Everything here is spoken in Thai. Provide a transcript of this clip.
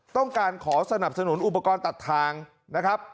ต้องการขอสนับสนุนอุปกรณ์ตัดทางนะครับ